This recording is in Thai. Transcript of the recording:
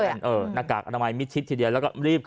ปอล์กับโรเบิร์ตหน่อยไหมครับ